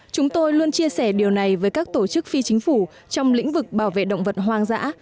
chúng tôi luôn chia sẻ điều này với các tổ chức phi chính phủ trong lĩnh vực bảo vệ động vật hoang dã